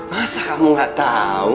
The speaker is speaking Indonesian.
masa kamu gak tau